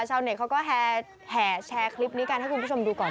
ชาวเน็ตเขาก็แห่แชร์คลิปนี้กันให้คุณผู้ชมดูก่อน